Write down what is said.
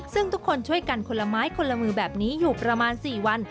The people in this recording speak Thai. ซึ่งทุกคนช่วยกันคนละไม้คนละมือแบบนี้อยู่ประมาณ๔วัน